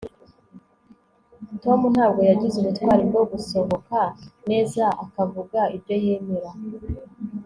tom ntabwo yagize ubutwari bwo gusohoka neza akavuga ibyo yemera